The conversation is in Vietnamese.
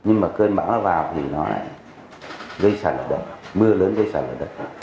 nhưng mà cơn bão nó vào thì nó lại gây sạt lở đất mưa lớn gây sạt lở đất